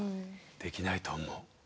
できないと思う。